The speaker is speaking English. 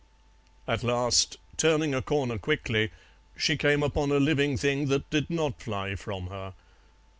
At last, turning a corner quickly, she came upon a living thing that did not fly from her.